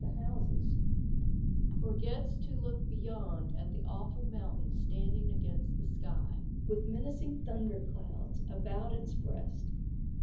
the houses, forgets to look beyond at the aweful mountain standing against the sky, with menacing thunder clouds about its breast.